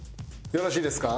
よろしいですか？